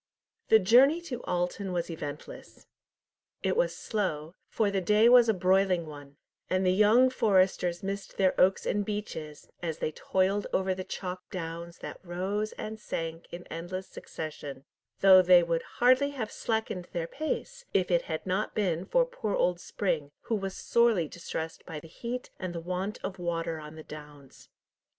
The journey to Alton was eventless. It was slow, for the day was a broiling one, and the young foresters missed their oaks and beeches, as they toiled over the chalk downs that rose and sank in endless succession; though they would hardly have slackened their pace if it had not been for poor old Spring, who was sorely distressed by the heat and the want of water on the downs.